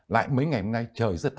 lại mấy ngày hôm nay trời rất lạnh